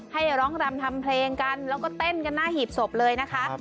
ให้ร้องรำทำเพลงกันแล้วก็เต้นกันหน้าหีบศพเลยนะคะ